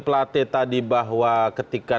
platet tadi bahwa ketika